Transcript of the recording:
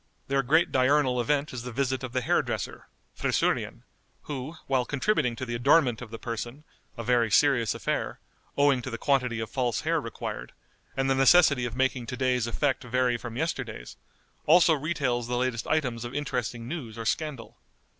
Their great diurnal event is the visit of the hair dresser (friseurian), who, while contributing to the adornment of the person, a very serious affair, owing to the quantity of false hair required, and the necessity of making to day's effect vary from yesterday's, also retails the latest items of interesting news or scandal.